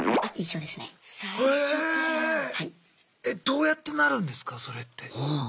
えどうやってなるんですかそれって。